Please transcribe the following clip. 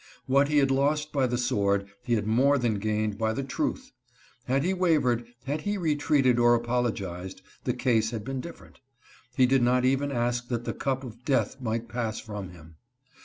What he had lost by the sword he had more than gained by the truth. Had he wavered, had he retreated or apologized, the case had been different. He did not even ask that the cup of death might pass from him.